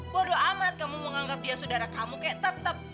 bodoh amat kamu mau nganggap dia saudara kamu kayak tetep